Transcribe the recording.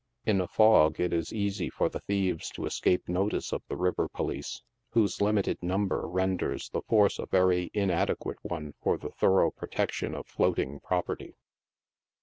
In a fog, it is easy for the thieves to es cape the notice of the river police, whose limited number renders the force a very inadequate one for the thorough protection of float ing property.